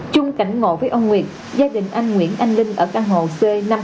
chung cảnh ngộ với ông nguyệt gia đình anh nguyễn anh linh ở căn hộ c năm trăm linh